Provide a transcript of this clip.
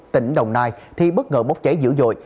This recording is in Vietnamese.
tỉnh đồng nai thì bất ngờ bốc cháy dữ dội